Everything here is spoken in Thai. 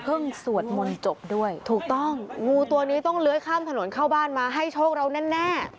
สวดมนต์จบด้วยถูกต้องงูตัวนี้ต้องเลื้อยข้ามถนนเข้าบ้านมาให้โชคเราแน่